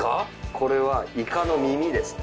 これはイカの耳です。